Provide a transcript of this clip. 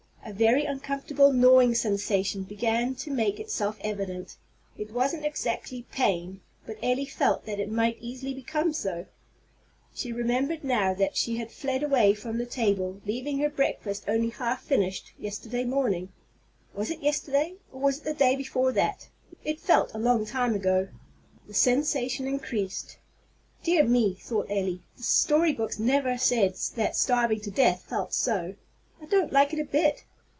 A very uncomfortable gnawing sensation began to make itself evident. It wasn't exactly pain, but Elly felt that it might easily become so. She remembered now that she fled away from the table, leaving her breakfast only half finished, yesterday morning, was it yesterday, or was it the day before that? It felt like a long while ago. The sensation increased. "Dear me!" thought Elly, "the story books never said that starving to death felt so. I don't like it a bit!"